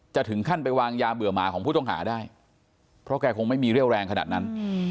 ถึงขั้นไปวางยาเบื่อหมาของผู้ต้องหาได้เพราะแกคงไม่มีเรี่ยวแรงขนาดนั้น